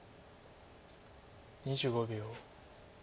２５秒。